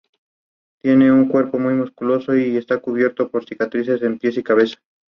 Aquí se aglutinan la mayoría de las actividades con las que cuenta el club.